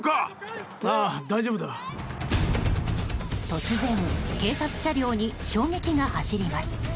突然、警察車両に衝撃が走ります。